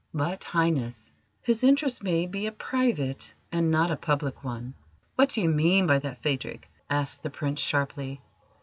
"But, Highness, his interest may be a private and not a public one." "What do you mean by that, Phadrig?" asked the Prince sharply.